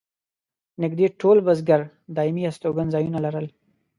نږدې ټول بزګر دایمي استوګن ځایونه لرل.